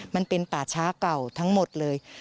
มันเป็นป่าช้าเก่าทั้งหมดเลย